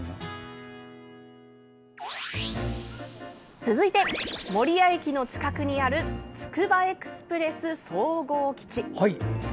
続いて守谷駅の近くにあるつくばエクスプレス総合基地。